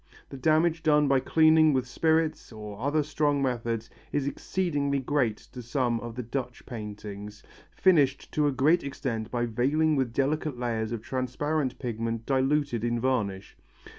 The damage done by cleaning with spirits, or other strong methods, is exceedingly great to some of the Dutch paintings, finished to a great extent by veiling with delicate layers of transparent pigment diluted in varnish.